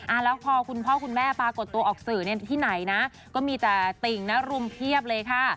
แล้วพอคุณพ่อคุณแม่ปรากฏตัวออกสื่อเนี่ยที่ไหนนะก็มีแต่ติ่งนะรุมเพียบเลยค่ะ